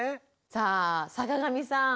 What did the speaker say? さあ坂上さん。